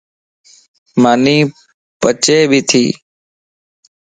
ماني پچَ ٻيٺي